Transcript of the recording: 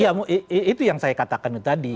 ya itu yang saya katakan tadi